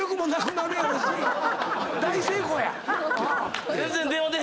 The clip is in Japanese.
大成功や！